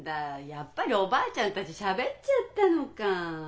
やっぱりおばあちゃんたちしゃべっちゃったのか。